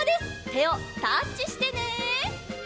てをタッチしてね！